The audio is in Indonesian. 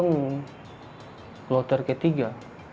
ini yang keluar terketiga